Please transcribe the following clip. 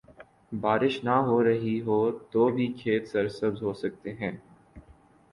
بارش نہ ہو رہی ہو تو بھی کھیت سرسبز ہو سکتے ہیں۔